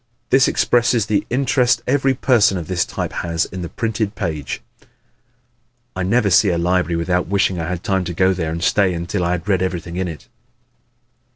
This expresses the interest every person of this type has in the printed page. "I never see a library without wishing I had time to go there and stay till I had read everything in it."